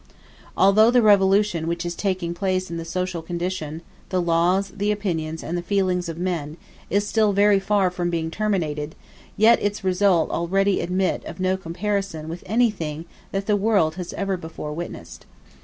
Although the revolution which is taking place in the social condition, the laws, the opinions, and the feelings of men, is still very far from being terminated, yet its results already admit of no comparison with anything that the world has ever before witnessed.